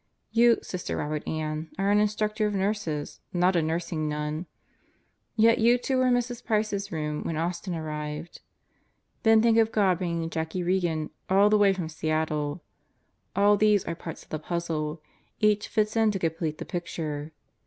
You, Sister Robert Ann, are an Instructor of Nurses, not a nurs ing nun. Yet you two were in Mrs. Price's room when Austin arrived. Then think of God bringing Jackie Regan all the way from Seattle. ... All these are parts of the puzzle. Each fits in to complete the picture.